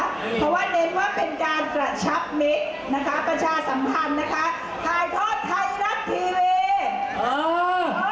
เพราะว่าเน้นว่าเป็นการกระชับมิตรนะคะประชาสัมพันธ์นะคะ